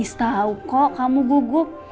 miss tau kok kamu gugup